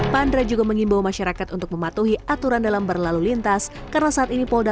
pandra juga mengimbau masyarakat untuk mematuhi aturan dalam berlalu lintas karena saat ini polda